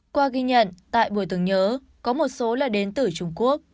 qua ghi nhận tại buổi tưởng nhớ có một số là đến từ trung quốc